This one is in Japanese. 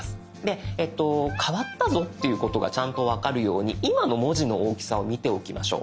変わったぞということがちゃんと分かるように今の文字の大きさを見ておきましょう。